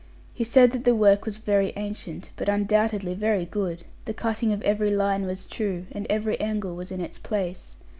He said that the work was very ancient, but undoubtedly very good; the cutting of every line was true, and every angle was in its place.